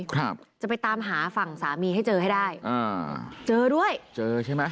ครับจะไปตามหาฝั่งสามีให้เจอให้ได้อ่าเจอด้วยเจอใช่ไหม